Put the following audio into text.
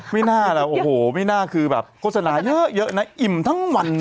ไม่น่าแล้วโอ้โหไม่น่าคือแบบโฆษณาเยอะนะอิ่มทั้งวันนะ